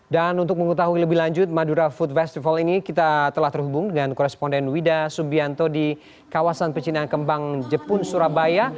dan untuk mengetahui lebih lanjut madura food festival ini kita telah terhubung dengan koresponden wida subianto di kawasan pecinaan kembang jepun surabaya